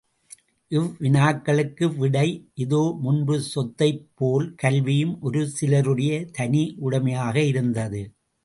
இவ்வினாக்களுக்கு விடை இதோ முன்பு சொத்தைப் போல், கல்வியும், ஒரு சிலருடைய தனி உடைமையாக இருந்தது.